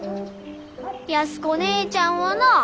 安子ねえちゃんはなあ